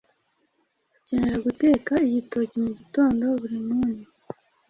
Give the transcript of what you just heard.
Bakenera guteka igitoki mugitondo buri muni